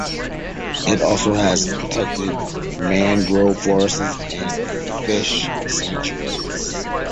It also has protected mangrove forests and fish sanctuaries.